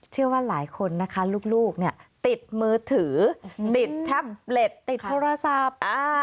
เชื่อว่าหลายคนนะคะลูกเนี่ยติดมือถือติดแท็บเล็ตติดโทรศัพท์